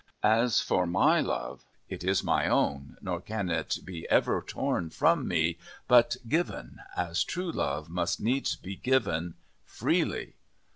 As for my love, it is my own, nor can it be ever torn from me, but given, as true love must needs be given, freely.